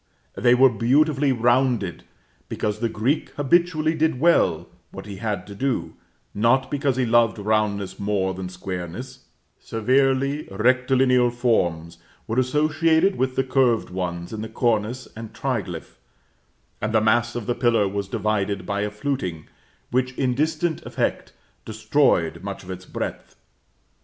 They were beautifully rounded, because the Greek habitually did well what he had to do, not because he loved roundness more than squareness; severely rectilinear forms were associated with the curved ones in the cornice and triglyph, and the mass of the pillar was divided by a fluting, which, in distant effect, destroyed much of its breadth.